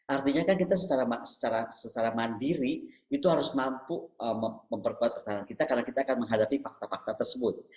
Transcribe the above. artinya kan kita secara mandiri itu harus mampu memperkuat pertahanan kita karena kita akan menghadapi fakta fakta tersebut